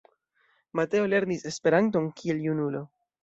Mateo lernis Esperanton kiel junulo.